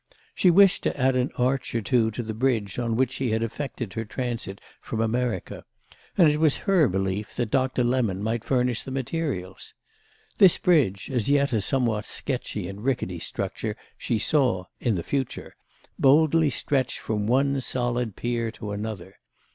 She wished to add an arch or two to the bridge on which she had effected her transit from America; and it was her belief that Doctor Lemon might furnish the materials. This bridge, as yet a somewhat sketchy and rickety structure, she saw—in the future—boldly stretch from one solid pier to another.